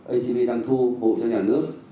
acv đang thu bộ cho nhà nước